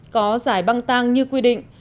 có giải băng tăng như quy định